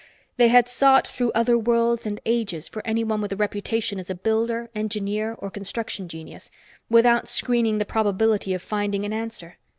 They had sought through other worlds and ages for anyone with a reputation as a builder, engineer or construction genius, without screening the probability of finding an answer.